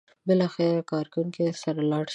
بالاخره یو کارکوونکی ورسره لاړ شي.